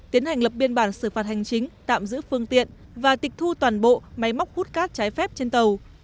tiến hành lập biên bản xử phạt hành chính tạm giữ phương tiện và tịch thu toàn bộ máy móc hút cát trái phép trên tàu